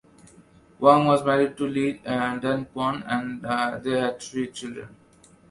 Wang was married to Li Danquan and they had three children.